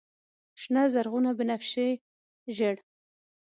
شنه، زرغونه، بنفشیې، ژړ